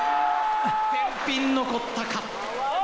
１ピン残ったか。